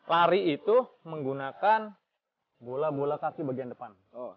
lari itu menggunakan bola bola kaki bagian depan